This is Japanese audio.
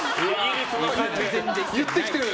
言ってきてる。